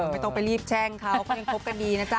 ไม่ต้องไปรีบแช่งเขาก็ยังคบกันดีนะจ๊